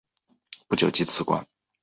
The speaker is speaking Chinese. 不久即辞官。